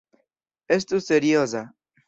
Estu serioza!